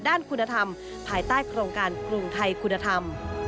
คุณธรรมภายใต้โครงการกรุงไทยคุณธรรม